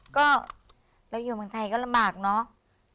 ก็แล้วอยู่เมืองไทยก็ระบากเนอะ